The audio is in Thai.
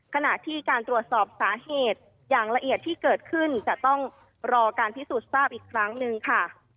ขณะที่การตรวจสอบสาเหตุอย่างละเอียดที่เกิดขึ้นจะต้องรอการพิสูจน์ทราบอีกครั้งหนึ่งค่ะ